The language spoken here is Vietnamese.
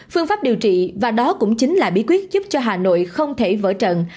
phương pháp điều trị và đó cũng chính là bí quyết giúp cho hà nội không thể vỡ trận